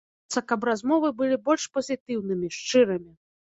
Хочацца, каб размовы былі больш пазітыўнымі, шчырымі.